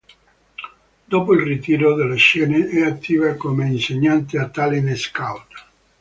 Dopo il ritiro dalle scene è attiva come insegnante e talent-scout.